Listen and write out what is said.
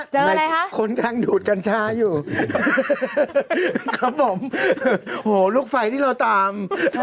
อะไรคะคนกำลังดูดกัญชาอยู่ครับผมโหลูกไฟที่เราตาม